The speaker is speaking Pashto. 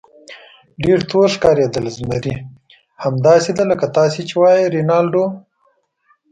ډېر تور ښکارېدل، زمري: همداسې ده لکه تاسې چې وایئ رینالډو.